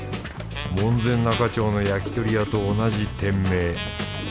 門前仲町の焼き鳥屋と同じ店名。